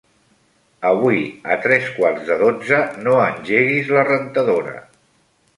Avui a tres quarts de dotze no engeguis la rentadora.